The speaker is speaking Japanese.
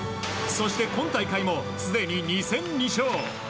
そして、今大会もすでに２戦２勝。